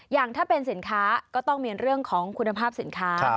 อย่างถ้าเป็นสินค้าก็ต้องมีเรื่องของคุณภาพสินค้า